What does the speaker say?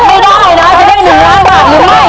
แล้วก็นะผิดไม่ได้นะจะได้หนึ่งย้านบาทหรือไม่